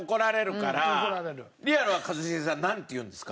リアルは一茂さんなんて言うんですか？